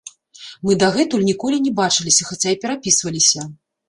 Мы дагэтуль ніколі не бачыліся, хаця і перапісваліся.